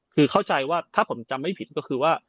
คือเข้าใจว่าถ้าผมจำไม่ผิดก็คือว่า